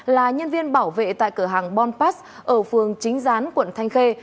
là nhân viên bảo vệ tại cửa hàng bonpass ở phường chính gián quận thanh khê